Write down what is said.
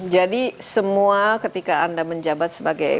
jadi semua ketika anda menjabat sebagai